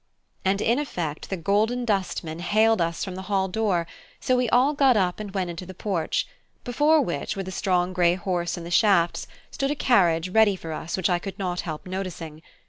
And in effect the Golden Dustman hailed us from the hall door; so we all got up and went into the porch, before which, with a strong grey horse in the shafts, stood a carriage ready for us which I could not help noticing.